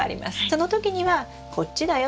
その時にはこっちだよと。